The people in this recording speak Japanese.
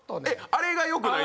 あれがよくない？